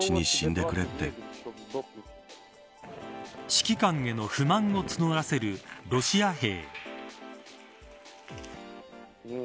指揮官への不満を募らせるロシア兵。